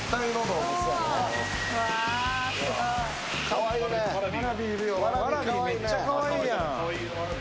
ワラビーめっちゃかわいいやん。